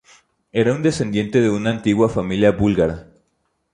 Era un descendiente de una antigua familia búlgara.